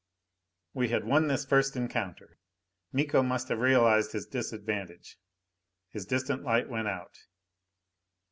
_ We had won this first encounter! Miko must have realized his disadvantage. His distant light went out.